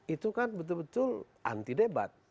itu kan betul betul anti debat